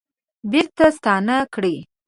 بیرته ستانه کړي